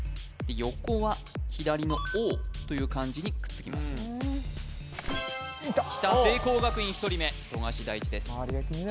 横は左の「王」という漢字にくっつきますきた聖光学院１人目富樫大地です